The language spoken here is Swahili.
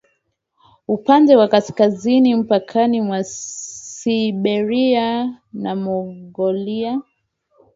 Upande wa kaskazini mpakani mwa Siberia na Mongolia